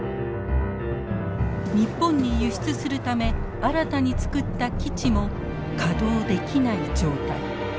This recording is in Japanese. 日本に輸出するため新たに造った基地も稼働できない状態。